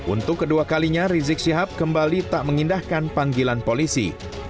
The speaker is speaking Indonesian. untuk kedua kalinya rizik syihab kembali tak mengindahkan panggilan polisi